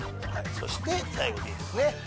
そして最後Ｄですね。